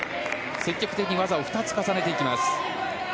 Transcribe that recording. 積極的に技を２つ重ねていきます。